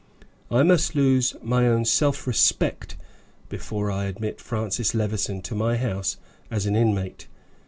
I must lose my own self respect before I admit Francis Levison to my house as an inmate.